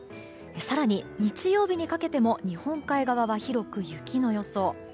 更に日曜日にかけても日本海側は広く雪の予想。